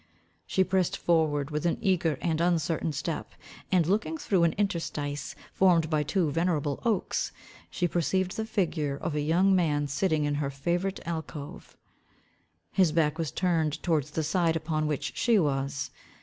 She pressed forward with an eager and uncertain step, and looking through an interstice formed by two venerable oaks, she perceived the figure of a young man sitting in her favourite alcove. His back was turned towards the side upon which she was.